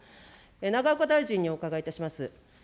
永岡大臣にお伺いいたします。